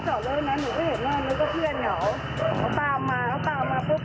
สวัสดีครับ